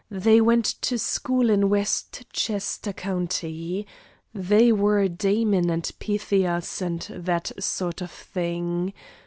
They went to school in Westchester County. They were Damon and Pythias and that sort of thing.